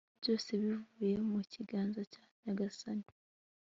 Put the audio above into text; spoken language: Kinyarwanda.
byose bivuye mu kiganza cya nyagasani